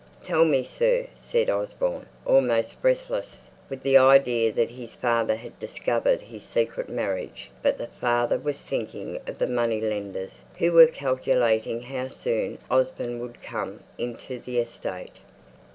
"Tell me, sir," said Osborne, almost breathless with the idea that his father had discovered his secret marriage; but the father was thinking of the money lenders, who were calculating how soon Osborne would come into the estate.